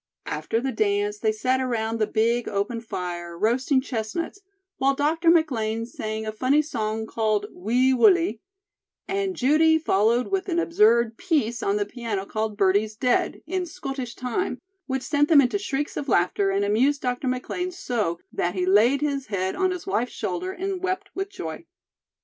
After the dance, they sat around the big open fire, roasting chestnuts, while Dr. McLean sang a funny song called "Wee Wullie," and Judy followed with an absurd "piece" on the piano called "Birdie's Dead," in schottische time, which sent them into shrieks of laughter and amused Dr. McLean so that he laid his head on his wife's shoulder and wept with joy.